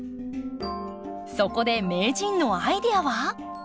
そこで名人のアイデアは？